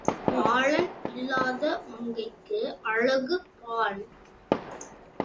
ஆளன் இல்லாத மங்கைக்கு அழகு பாழ்.